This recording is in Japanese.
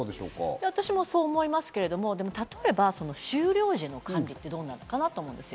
私もそう思いますけど、例えば終了時の管理がどうなのかなと思うんです。